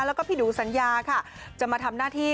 แล้วก็พี่หนูสัญญาค่ะจะมาทำหน้าที่